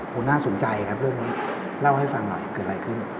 โหน่าสนใจครับเรื่องนี้เล่าให้ลองฟังหน่อยอีกอะไรคือ